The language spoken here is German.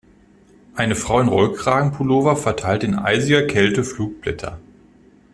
Eine Frau in Rollkragenpullover verteilt in eisiger Kälte Flugblätter.